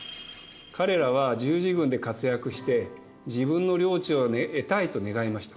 彼らは十字軍で活躍して自分の領地を得たいと願いました。